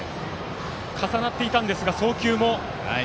重なっていたんですが送球も。